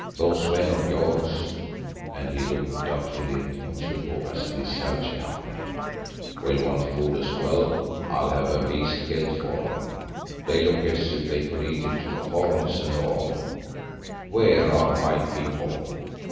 Those men of yours," and he also looked doubtfully at Umslopogaas and his savage company, "will want food as well. I'll have a beast killed for them; they look as if they could eat it, horns and all. Where are my people?